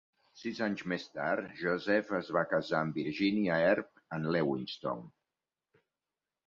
Sis anys més tard, Joseph es va casar amb Virgínia Erb en Lewistown.